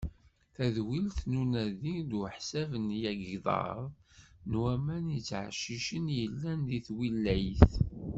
Tadwilt n unadi d uḥsab n yigḍaḍ n waman yettɛeccicen i yellan di twilayt.